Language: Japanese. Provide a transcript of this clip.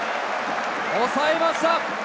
抑えました！